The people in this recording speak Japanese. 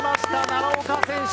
奈良岡選手